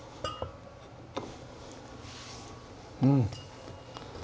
うん